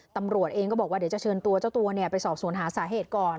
ตำรวจเองก็บอกว่าเดี๋ยวจะเชิญตัวเจ้าตัวไปสอบสวนหาสาเหตุก่อน